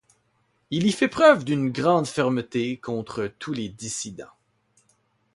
Il y fait preuve d'une grande fermeté contre tous les dissidents.